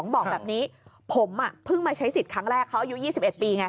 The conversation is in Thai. บอกแบบนี้ผมเพิ่งมาใช้สิทธิ์ครั้งแรกเขาอายุ๒๑ปีไง